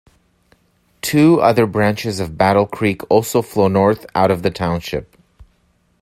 Two other branches of Battle Creek also flow north out of the township.